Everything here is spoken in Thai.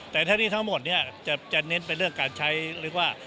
แต่ธนิศทั้งหมดจะเน้นไปเรื่องการใช้หรือก็คือว่า